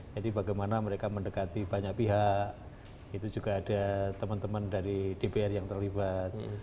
jadi bagaimana mereka mendekati banyak pihak itu juga ada teman teman dari dpr yang terlibat